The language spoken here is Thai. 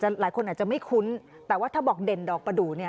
หลายคนอาจจะไม่คุ้นแต่ว่าถ้าบอกเด่นดอกประดูกเนี่ย